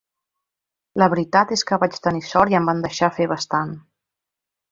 La veritat és que vaig tenir sort i em van deixar fer bastant.